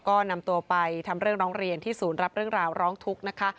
ก็นำตัวไปทำเรื่องร้องเรียนที่ศูนย์รับเรื่องราวร้องทุกข์นะคะ